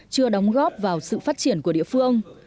chưa đóng góp vào sự phát triển của địa phương